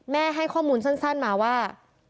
ให้ข้อมูลสั้นมาว่า